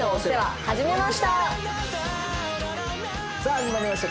さあ始まりました